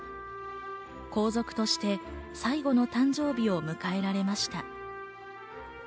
皇族として最後の誕生日を迎えられました。